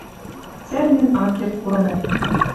Цӓрнен ак керд курымок.